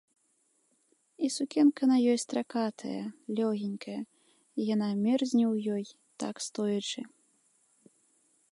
І сукенка на ёй стракатая, лёгенькая, і яна мерзне ў ёй, так стоячы.